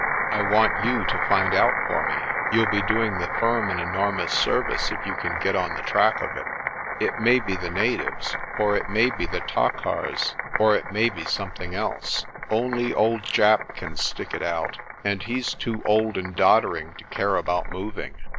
I want you to find out for me. You'll be doing the firm an enormous service if you can get on the track of it. It may be the natives, or it may be the taakhaars^ or it may be something else. Only old Japp can stick it out, and he's too old and doddering to care about moving.